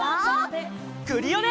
クリオネ！